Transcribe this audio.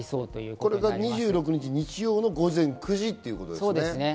これが２６日日曜の午前９時ですね。